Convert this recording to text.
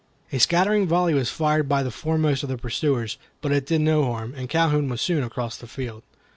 A scattering volley was fired by the foremost of the pursuers, but it did no harm, and Calhoun was soon across the field.